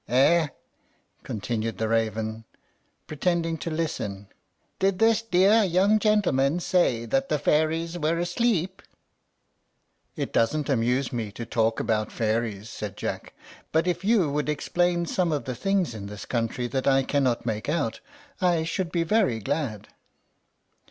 "Eh?" continued the raven, pretending to listen; "did this dear young gentleman say that the fairies were asleep?" "It doesn't amuse me to talk about fairies," said Jack; "but if you would explain some of the things in this country that I cannot make out, I should be very glad."